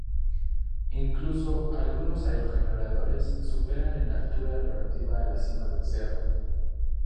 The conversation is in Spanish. Incluso, algunos aerogeneradores superan en altura relativa a la cima del cerro.